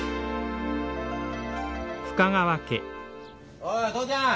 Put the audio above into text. おい父ちゃん！